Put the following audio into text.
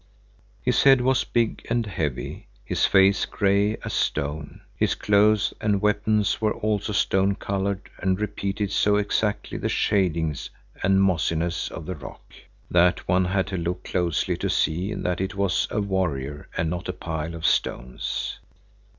His head was big and heavy, his face gray as stone. His clothes and weapons were also stone colored, and repeated so exactly the shadings and mossiness of the rock, that one had to look closely to see that it was a warrior and not a pile of stones.